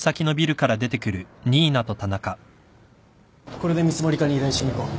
これで見積課に依頼しに行こう。